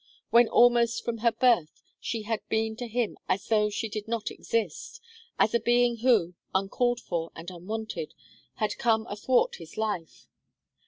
when almost from her birth she had been to him as though she did not exist as a being who, uncalled for and unwanted, had come athwart his life.